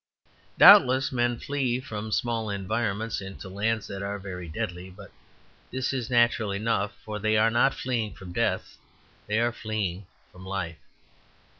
Doubtless men flee from small environments into lands that are very deadly. But this is natural enough; for they are not fleeing from death. They are fleeing from life.